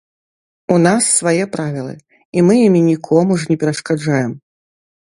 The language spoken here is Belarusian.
У нас свае правілы, і мы імі нікому ж не перашкаджаем!